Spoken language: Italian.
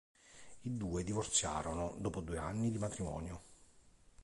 I due divorziarono dopo due anni di matrimonio.